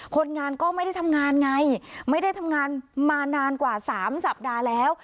คนงานก็ไม่ได้ทำงานไงไม่ได้ทำงานมานานกว่า๓สัปดาห์แล้ว